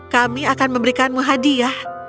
kami akan memberikanmu hadiah